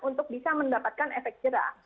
untuk bisa mendapatkan efek jerah